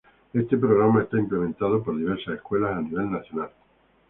Este programa es implementado por diversas escuelas a nivel nacional.